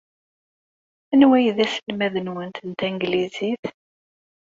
Anwa ay d aselmad-nwent n tanglizit?